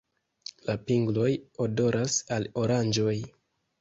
La pingloj odoras al oranĝoj.